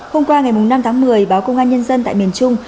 hôm qua ngày năm tháng một mươi báo công an nhân dân tại miền trung